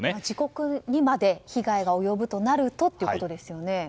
自国にまで被害が及ぶとなるとってことですよね。